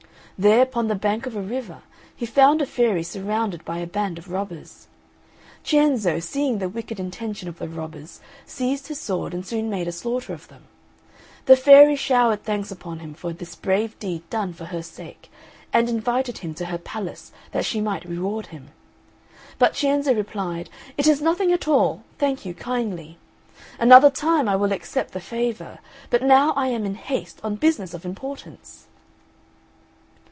There, upon the bank of a river, he found a fairy surrounded by a band of robbers. Cienzo, seeing the wicked intention of the robbers, seized his sword and soon made a slaughter of them. The fairy showered thanks upon him for this brave deed done for her sake, and invited him to her palace that she might reward him. But Cienzo replied, "It is nothing at all; thank you kindly. Another time I will accept the favour; but now I am in haste, on business of importance!"